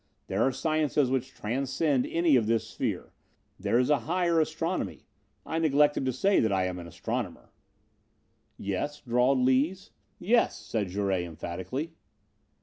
There are sciences which transcend any of this sphere. There is a higher astronomy. I neglected to say that I am an astronomer." "Yes?" drawled Lees. "Yes!" said Jouret emphatically.